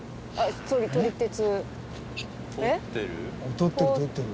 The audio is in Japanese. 撮ってる撮ってる。